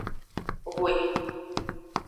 Hwe.